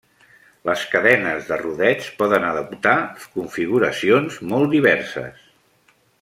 Les cadenes de rodets poden adoptar configuracions molt diverses.